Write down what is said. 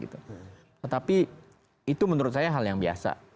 tetapi itu menurut saya hal yang biasa